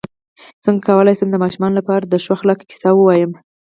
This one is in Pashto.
څنګه کولی شم د ماشومانو لپاره د ښو اخلاقو کیسې ووایم